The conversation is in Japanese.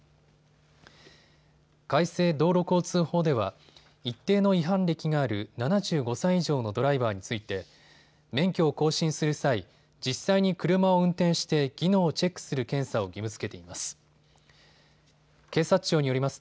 改正道路交通法では一定の違反歴がある７５歳以上のドライバーについて免許を更新する際、実際に車を運転して技能をチェックする検査を義務づけています。